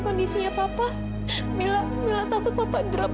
kondisinya papa mila takut papa drop